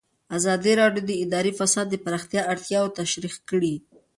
ازادي راډیو د اداري فساد د پراختیا اړتیاوې تشریح کړي.